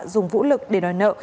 dùng vũ lực để đòi nợ